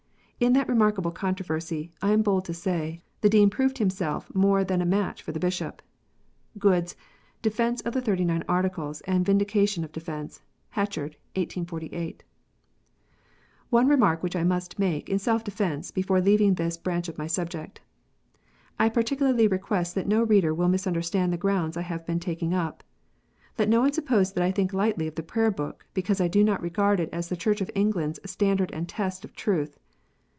In that remarkable con troversy, I am bold to say, the Dean proved himself more than a match for the Bishop. (Goode s Defence of Thirty nine Articles, and Vindication of Defence. Hatchard. 1848.) One remark I must make, in self defence, before leaving this branch of my subject. I particularly request that no reader will misunderstand the grounds I have been taking up. Let no one suppose that I think lightly of the Prayer book, because I do not regard it as the Church of England s standard and test of truth.